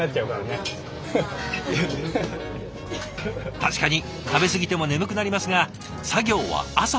確かに食べ過ぎても眠くなりますが作業は朝まで。